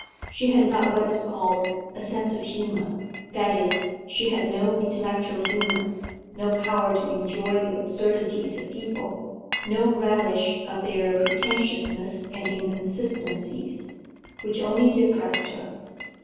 She had not what is called a "sense of humor." That is, she had no intellectual humor; no power to enjoy the absurdities of people, no relish of their pretentiousness and inconsistencies—which only depressed her.